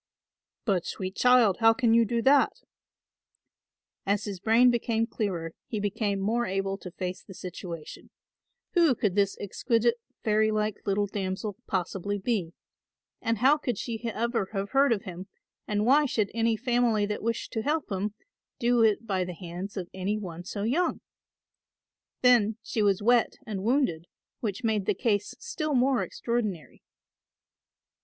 "But, sweet child, how can you do that?" As his brain became clearer he became more able to face the situation. Who could this exquisite fairy like little damsel possibly be, and how could she ever have heard of him and why should any family that wished to help him do it by the hands of any one so young? Then she was wet and wounded, which made the case still more extraordinary.